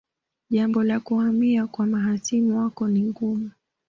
Jambo la kuhamia kwa mahasimu wako ni gumu